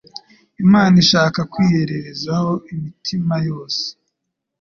Imana ishaka kwireherezaho imitima yose.